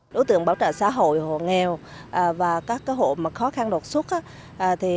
đối tượng bảo trợ xã hội hộ nghèo và các hộ khó khăn đột xuất